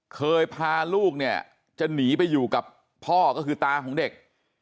เคยพาลูกเนี่ยจะหนีไปอยู่กับพ่อก็คือตาของเด็ก